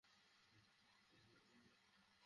চলো, বেওয়্যার্স!